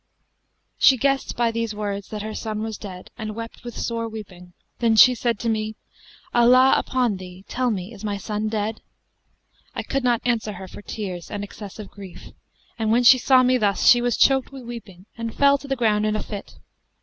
'[FN#216] She guessed by these words that her son was dead and wept with sore weeping, then she said to me, 'Allah upon thee! tell me, is my son dead?' I could not answer her for tears and excess of grief, and when she saw me thus, she was choked with weeping and fell to the ground in a fit.